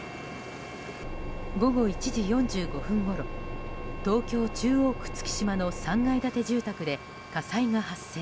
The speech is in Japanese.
午後１時４５分ごろ東京・中央区月島の３階建て住宅で火災が発生。